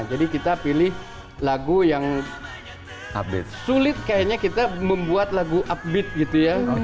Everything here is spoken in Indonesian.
jadi kita pilih lagu yang sulit kayaknya kita membuat lagu upbeat gitu ya